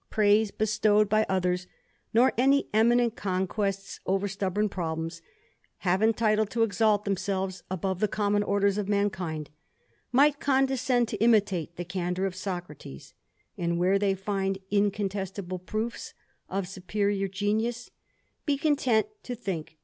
praise bestowed by others, nor any eminent conquests oveor^ ^ stubborn problems, have entitled to exalt themselves abov» ^^^^l the common orders of mankindi might condescend Xj^^m imitate the candour of Socrates; and where they find iin*^ contestible proofs of superior genius, be content to thia^rx